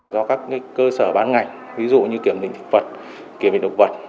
do các cơ sở bán ngành ví dụ như kiểm định thực vật kiểm định động vật